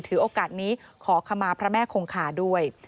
ถือโอกาสนี้ขอขมาพระแม่คงคาด้วย